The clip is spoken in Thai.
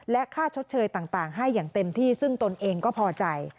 และค่าชดเชยต่างให้อย่างเต็มที่ซึ่งตนเองก็พอใจ